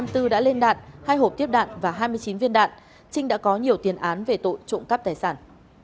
trinh đã có nhiều tiền án về tội trộm cắp tài sản